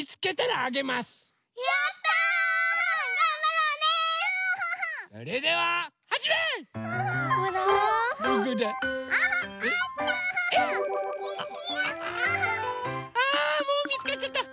あもうみつかっちゃった。